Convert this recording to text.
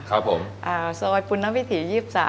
สวัสดีปุณภ์วิถี๒๓